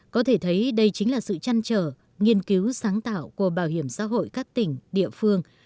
có thể thấy đây chính là sự chăn trở nghiên cứu sáng tạo của bảo hiểm xã hội các tỉnh địa phương